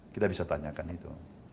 kita bisa tanyakan itu